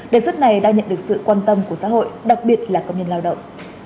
đề xuất này đang nhận được sự quan tâm của xã hội đặc biệt là công nhân lao động